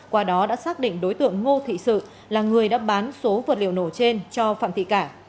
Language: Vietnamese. qua đó đã xác định đối tượng ngô thị sự là người đã bán số vật liệu nổ trên cho phạm thị cả